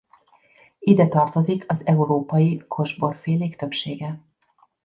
Ide tartozik az európai kosborfélék többsége.